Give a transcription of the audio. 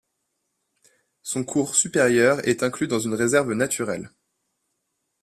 Son cours supérieur est inclus dans une réserve naturelle.